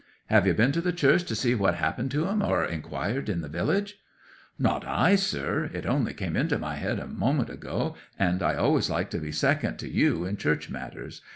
"Have you been to the church to see what happened to them, or inquired in the village?" '"Not I, sir! It only came into my head a moment ago, and I always like to be second to you in church matters.